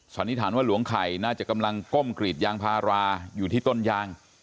สันนิษฐานว่าหลวงไข่น่าจะกำลังก้มกรีดยางพาราอยู่ที่ต้นยาง